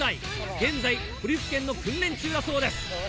現在トリュフ犬の訓練中だそうです。